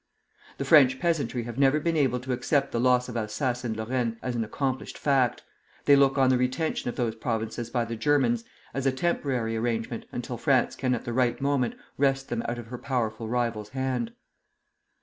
The French peasantry have never been able to accept the loss of Alsace and Lorraine as an accomplished fact; they look on the retention of those provinces by the Germans as a temporary arrangement until France can at the right moment wrest them out of her powerful rival's hand.